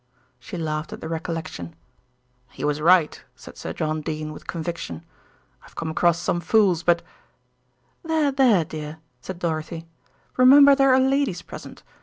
She laughed at the recollection. "He was right," said Sir John Dene with conviction. "I've come across some fools; but " "There, there, dear," said Dorothy, "remember there are ladies present.